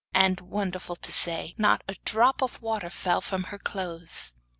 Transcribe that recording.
And, wonderful to say, not a drop of water fell from her clothes.